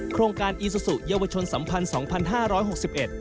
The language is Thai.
โครงการอีซูซูเยาวชนสัมพันธ์๒๕๖๑